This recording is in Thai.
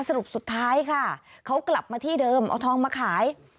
สรุปสุดท้ายค่ะเขากลับมาที่เดิมเอาทองมาขาย